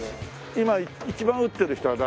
今一番打ってる人は誰？